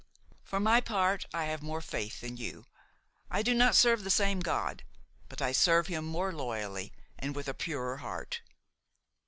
For my part, I have more faith than you; I do not serve the same God, but I serve Him more loyally and with a purer heart.